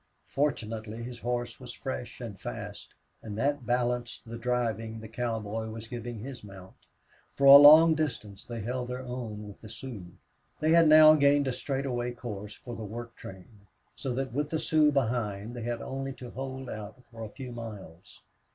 Fortunately his horse was fresh and fast, and that balanced the driving the cowboy was giving his mount. For a long distance they held their own with the Sioux. They had now gained a straight away course for the work train, so that with the Sioux behind they had only to hold out for a few miles.